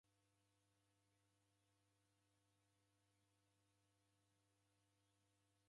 Mbari kulwa niko kuzoya kunona w'umweri.